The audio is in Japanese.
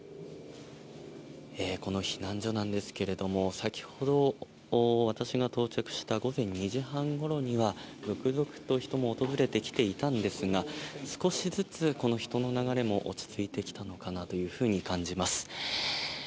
この避難所なんですが先ほど、私が到着した午前２時半ごろには続々と人も訪れてきていたんですが少しずつこの人の流れも落ち着いてきたのかなと感じます。